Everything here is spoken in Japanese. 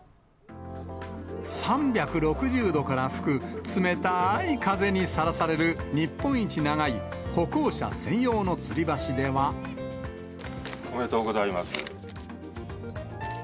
３６０度から吹く冷たい風にさらされる日本一長い歩行者専用のつおめでとうございます。